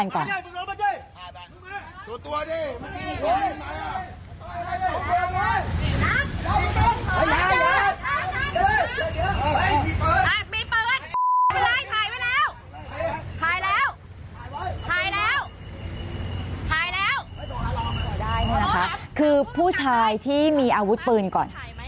คือผู้ชายที่มีอาวุธปืนก่อน